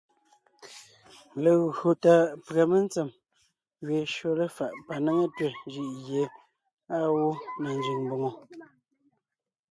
Legÿo tà pʉ̀a mentsèm gẅeen shÿó léfaʼ panéŋe tẅɛ̀ jʉʼ gie àa gwó na nzẅìŋ mbòŋo.